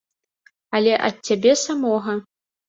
Але ад цябе самога.